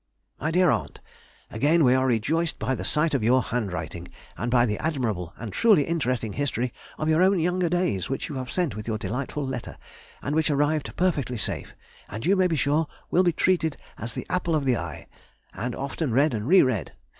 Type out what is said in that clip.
MY DEAR AUNT,— Again we are rejoiced by the sight of your handwriting, and by the admirable and truly interesting History of your own younger days, which you have sent with your delightful letter, and which arrived perfectly safe, and, you may be sure, will be treasured as the apple of the eye, and often read and re read.